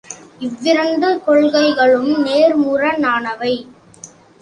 இவ்விரண்டு கொள்கைகளும் நேர்முரணானவை.